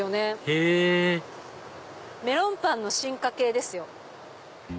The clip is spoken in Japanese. へぇメロンパンの進化系ですよ。